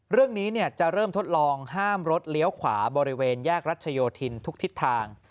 เรื่องนี้จะเริ่มทดลองห้ามรถเลี้ยวขวาบริเวณแยกรัชโยธินทุกทิศทาง